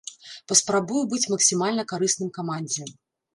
Паспрабую быць максімальна карысным камандзе.